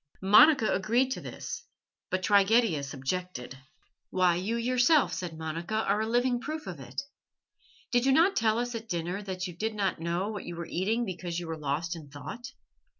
Monica agreed to this, but Trigetius objected. "Why, you yourself," said Monica, "are a living proof of it. Did you not tell us at dinner that you did not know what you were eating because you were lost in thought?